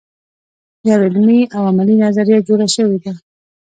یوه علمي او عملي نظریه جوړه شوې ده.